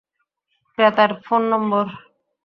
ক্রেতার ফোন নম্বর?